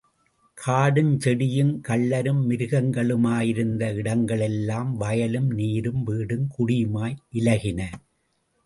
காடுஞ் செடியுங் கள்ளரும் மிருகங்களுமாயிருந்த இடங்களெல்லாம் வயலும் நீரும் வீடும் குடியுமாய் இலகின.